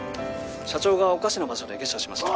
社長がおかしな場所で下車しました